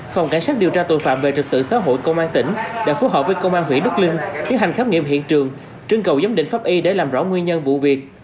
phòng cảnh sát điều tra tội phạm về trực tự xã hội công an tỉnh đã phối hợp với công an huyện đức linh tiến hành khám nghiệm hiện trường trưng cầu giám định pháp y để làm rõ nguyên nhân vụ việc